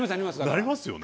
なりますよね。